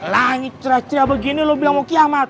langit cerah cerah begini lo bilang mau kiamat